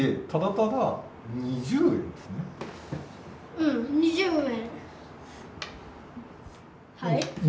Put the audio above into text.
うん２０円。